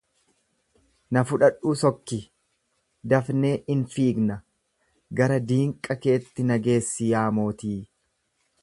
na fudhadhuu sokki! Dafnee in fiigna! Gara diinqa keetti na geessi yaa mootii!